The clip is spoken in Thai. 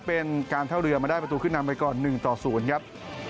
เป็นการท่าเรือมาได้ประตูขึ้นนำไปก่อน๑ต่อ๐ครับ